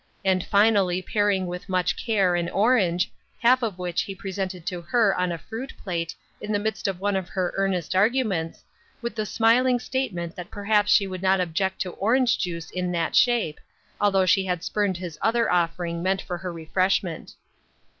And finally paring with much care an orange, half of which he presented to her on a fruit plate in the midst of one of her earnest arguments, with the smiling statement that perhaps she would not object to orange juice in that shape, although she had spurned his other offering meant for her refreshment.